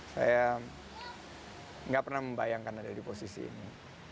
saya nggak pernah membayangkan ada di posisi ini